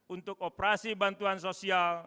untuk operasi bantuan sosial